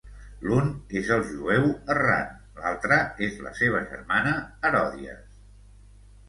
L'un és el Jueu Errant, l'altra és la seva germana, Heròdies.